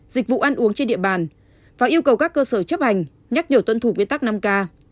dịch vụ ăn uống trên địa bàn và yêu cầu các cơ sở chấp hành nhắc nhở tuân thủ nguyên tắc năm k